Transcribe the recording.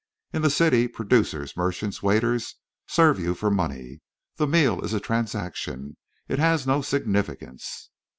In the city, producers, merchants, waiters serve you for money. The meal is a transaction. It has no significance.